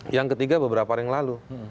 yang ketiga beberapa hari yang lalu